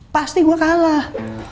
pasti gue kalah